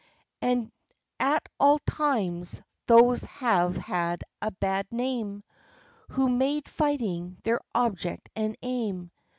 79 And, at all times, those have had a bad name, Who made fighting their object and aim.